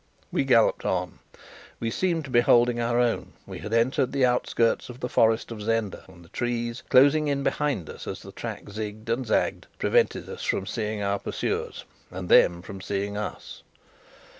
We galloped on. We seemed to be holding our own. We had entered the outskirts of the forest of Zenda, and the trees, closing in behind us as the track zigged and zagged, prevented us seeing our pursuers, and them from seeing us.